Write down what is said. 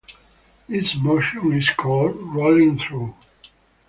This motion is called "rolling through".